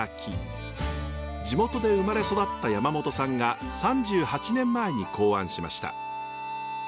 地元で生まれ育った山元さんが３８年前に考案しました。